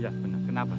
iya bener kenapa